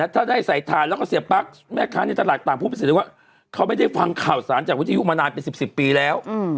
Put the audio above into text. ถ้าได้ใส่ถ่านแล้วก็เสียปั๊กแม่ค้าในตลาดต่างพูดพิเศษเลยว่าเขาไม่ได้ฟังข่าวสารจากวิทยุมานานเป็น๑๐ปีแล้ว